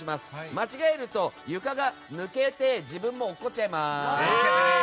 間違えると床が抜けて自分もおっこっちゃいます。